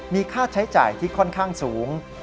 มีค่าใช้จ่ายที่ค่อนข้างสูง